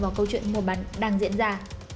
vào câu chuyện mua bán đang diễn ra